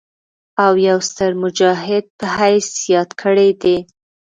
او يو ستر مجاهد پۀ حييث ياد کړي دي